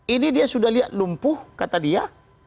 ini dia sudah lihat lumpuh kata dia